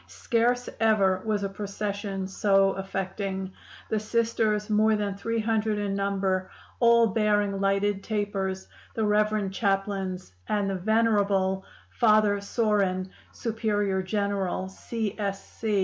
Scarce ever was a procession so affecting; the Sisters more than three hundred in number all bearing lighted tapers, the Rev. Chaplains, and the venerable Father Sorin, Superior General, C. S. C.